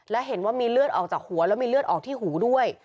และเห็นว่ามีเลือดออกจากหัวแล้วมีเลือดออกที่หูด้วย